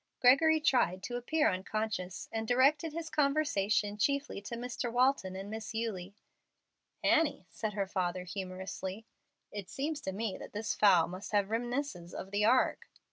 Gregory tried to appear unconscious, and directed his conversation chiefly to Mr. Walton and Miss Eulie. "Annie," said her father, humorously, "it seems to me that this fowl must have reminiscences of the ark."